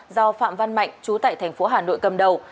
do phạm văn mạnh chú tại tp hà nội cầm đầu